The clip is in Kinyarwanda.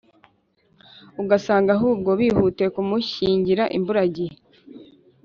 ugasanga ahubwo bihutiye kumushyingira imburagihe,